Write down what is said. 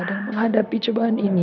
dan menghadapi cobaan ini